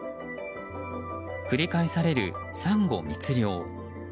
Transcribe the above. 繰り返されるサンゴ密漁。